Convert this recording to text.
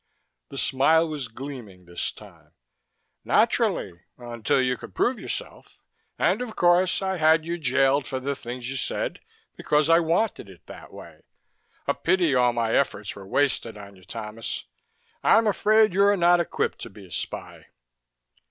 The smile was gleaming this time. "Naturally, until you could prove yourself. And of course, I had you jailed for the things you said because I wanted it that way. A pity all my efforts were wasted on you, Thomas. I'm afraid you're not equipped to be a spy."